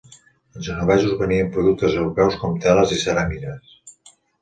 Els genovesos venien productes europeus com teles i ceràmiques.